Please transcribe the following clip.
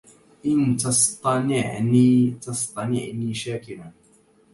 إن تصطنعني تصطنعني شاكرا